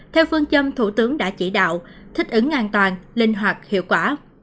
theo phương châm thủ tướng đã chỉ đạo thích ứng an toàn linh hoạt hiệu quả